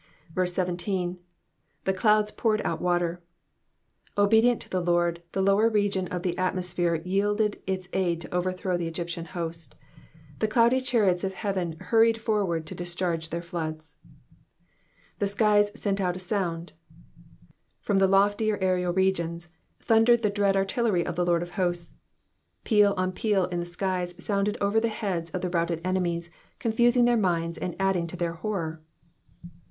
17. *^ The clouds poured out water/^ Obedient to the Lord, the lower region of the atmosphere yielded its aid to overthrow the Egyptian host. The cloudy chariots of heaven hurried foiward to discharge their floods. ^'The skies sent out a sound,'' ^ From the loftier aerial regions thundered the dread artillery of the Lord of Hosts. Peal on peal the skies sounded over the heads of the routed enemies, confusing their minds and adding to their horror.